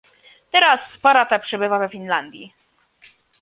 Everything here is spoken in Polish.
Teraz para ta przebywa w Finlandii